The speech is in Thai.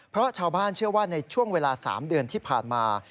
เพราะชาวบ้านเชื่อว่าในช่วงเวลา๓เดือนที่ผ่านมา